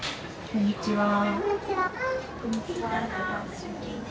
こんにちは。